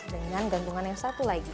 dengan gantungan yang satu lagi